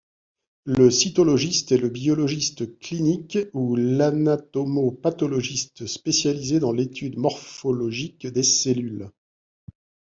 Le cytologiste est le biologiste clinique ou l'anatomo-pathologiste spécialisé dans l'étude morphologique des cellules.